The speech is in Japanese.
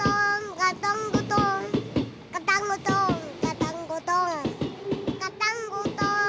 ガタンゴトーンガタンゴトーンガタンゴトーンガタンゴトーン。